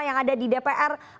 yang ada di dpr